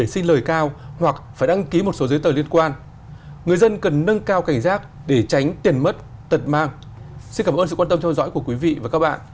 xin cảm ơn sự quan tâm theo dõi của quý vị và các bạn